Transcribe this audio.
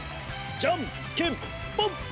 じゃんけんぽん！